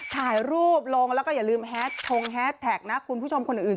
ถ่ายรูปลงแล้วก็อย่าลืมแฮชงแฮสแท็กนะคุณผู้ชมคนอื่น